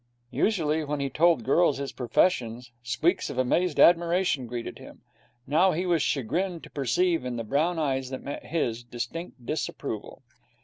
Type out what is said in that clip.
Usually, when he told girls his profession, squeaks of amazed admiration greeted him. Now he was chagrined to perceive in the brown eyes that met his distinct disapproval.